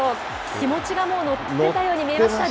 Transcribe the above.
気持ちがもう乗ってたように見えましたね。